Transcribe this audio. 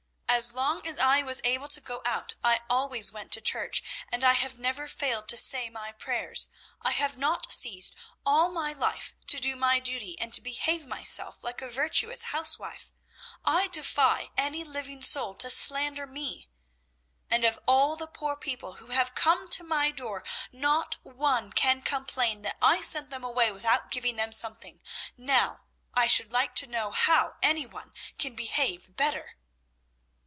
As long as I was able to go out I always went to church, and I have never failed to say my prayers. I have not ceased all my life to do my duty and to behave myself like a virtuous housewife. I defy any living soul to slander me. And of all the poor people who have come to my door, not one can complain that I sent them away without giving them something. Now, I should like to know how any one can behave better!"